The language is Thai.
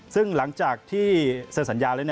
ซึ่งหลังจากที่เสริญสัญญา